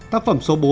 tác phẩm số bốn